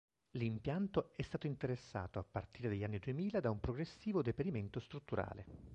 L'impianto è stato interessato, a partire dagli anni Duemila, da un progressivo deperimento strutturale.